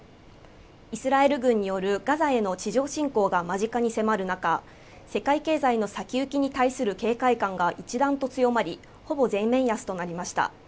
イスラエル軍によるガザへの地上侵攻が間近に迫る中世界経済の先行きに対する警戒感が一段と強まりほぼ全面安となりました